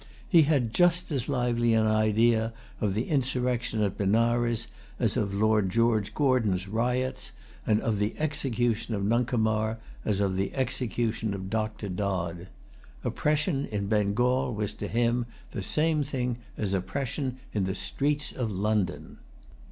He had just as lively an idea of the insurrection at Benares as of Lord George Gordon's riots, and of the execution of Nuncomar as of the execution of Dr. Dodd. Oppression in Bengal was to him the same thing as oppression in the streets of London.